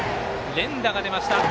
連打が出ました。